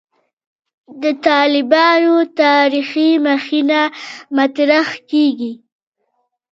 د «طالبانو تاریخي مخینه» مطرح کېږي.